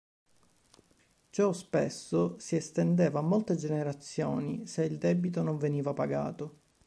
Ciò spesso si estendeva a molte generazioni se il debito non veniva pagato.